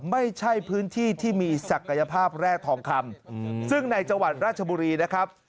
ไม่ใช่พื้นที่ที่มีศักยภาพแร่ทองคำซึ่งในจังหวัดราชบุรีนะครับ